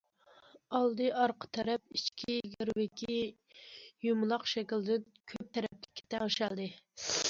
ئالدى- ئارقا تەرەپ ئىچكى گىرۋىكى يۇمىلاق شەكىلدىن كۆپ تەرەپلىككە تەڭشەلدى.